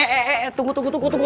eh tunggu tunggu tunggu tunggu tunggu